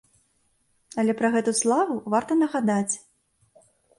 Але пра гэту славу варта нагадаць.